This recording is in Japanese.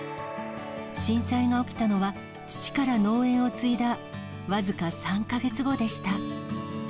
震災が起きたのは、父から農園を継いだ僅か３か月後でした。